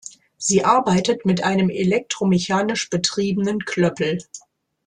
Sie arbeitet mit einem elektromechanisch betriebenen Klöppel.